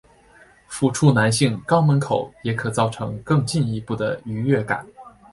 抚触男性肛门口也可造成更进一步的愉悦感。